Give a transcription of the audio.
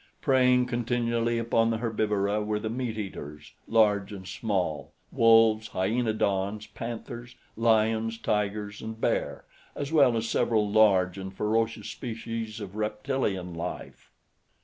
Preying continually upon the herbivora were the meat eaters, large and small wolves, hyaenodons, panthers, lions, tigers, and bears as well as several large and ferocious species of reptilian life.